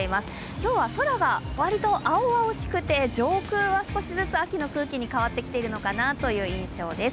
今日は空が割と青々しくて、上空は少しずつ秋の空気に変わってきているのかなという印象です。